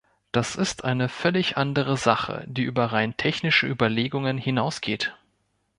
Das ist eine völlig andere Sache, die über rein technische Überlegungen hinausgeht.